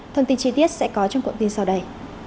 thông tin chi tiết sẽ có trong cuộn tin sau đây